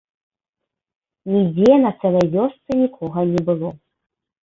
Нідзе на цэлай вёсцы нікога не было.